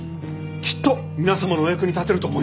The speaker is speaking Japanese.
きっと皆様のお役に立てると思います。